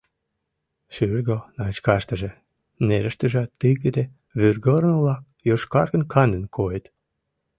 Шӱргӧ начкаштыже, нерыштыжат тыгыде вӱргорно-влак йошкаргын-кандын койыт.